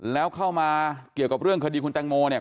แล้วเข้ามาเกี่ยวกับเรื่องคดีคุณแตงโมเนี่ย